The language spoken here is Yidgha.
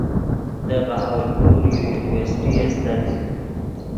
دے بہاولپور یو یونیورسٹی استت